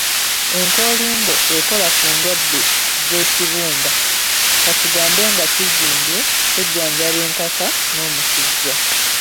Enkoolimbo ekola ku ndwadde z'ekibumba, katugambe nga kizimbye, ejjanjaba enkaka, n'omusujja.